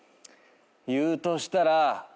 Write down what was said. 言うとしたら。